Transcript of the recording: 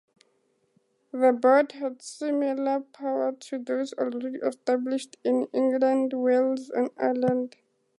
The board had similar powers to those already established in England, Wales and Ireland.